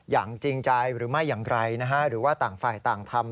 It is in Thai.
อย่างจริงใจหรือไม่อย่างไรนะฮะหรือว่าต่างฝ่ายต่างทำ